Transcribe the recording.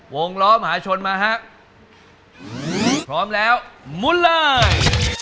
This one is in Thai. ล้อมหาชนมาฮะพร้อมแล้วมุนเลย